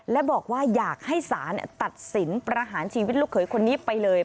และบอกว่าอยากให้ศาลตัดสินประหารชีวิตลูกเขยคนนี้ไปเลย